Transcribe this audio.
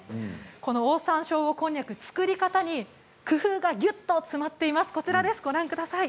オオサンショウウオこんにゃく作り方に工夫がぎゅっと詰まっています。